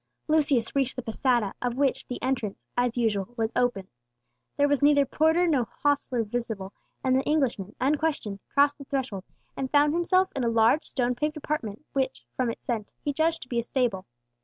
Lucius reached the posada, of which the entrance, as usual, was open. There was neither porter nor hostler visible, and the Englishman, unquestioned, crossed the threshold, and found himself in a large stone paved apartment which, from its scent, he judged to be a stable.